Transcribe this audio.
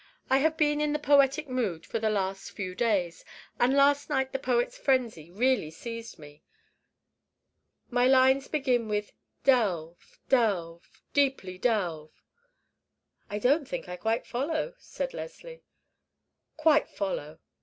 I have been in the poetic mood for the last few days, and last night the poet's frenzy really seized me. My lines begin with 'Delve, delve, deeply delve.'" "I don't think I quite follow," said Leslie. "Quite follow!